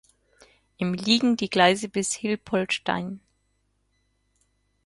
Im liegen die Gleise bis Hilpoltstein.